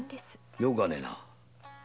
よかねえな。